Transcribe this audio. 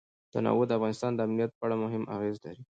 تنوع د افغانستان د امنیت په اړه هم اغېز لري.